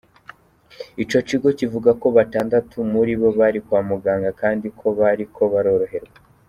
Ico kigo kivuga ko batandatu muri bo bari kwa muganga kandi ko bariko baroroherwa.